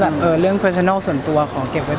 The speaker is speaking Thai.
สาเหตุหลักคืออะไรหรอครับผมว่าเราก็ไม่คอมิวนิเคทกัน